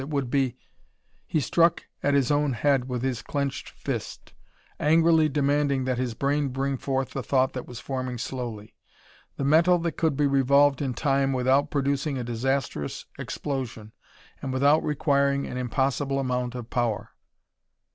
It would be.... He struck at his own head with his clenched fist, angrily demanding that his brain bring forth the thought that was forming slowly. The metal that could be revolved in time without producing a disastrous explosion and without requiring an impossible amount of power....